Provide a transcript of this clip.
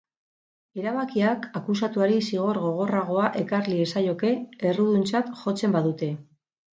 Erabakiak akusatuari zigor gogorragoa ekar liezaioke erruduntzat jotzen badute.